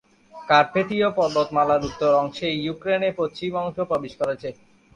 কার্পেথীয় পর্বতমালার উত্তর অংশ ইউক্রেনের পশ্চিম অংশে প্রবেশ করেছে।